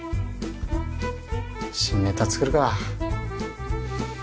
新ネタ作るか。